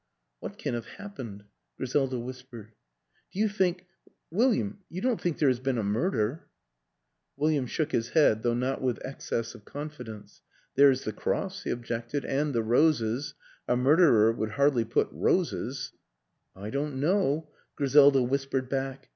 "What can have happened?" Griselda whis pered. a Do you think William, you don't think there has been a murder? " William shook his head, though not with excess of confidence. " There's the cross," he objected, " and the roses. A murderer would hardly put roses "" I don't know," Griselda whispered back.